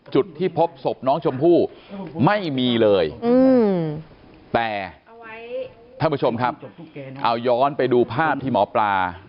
จุดที่พบศพน้องชมพู่ไม่มีเลยแต่ท่านผู้ชมครับเอาย้อนไปดูภาพที่หมอปลา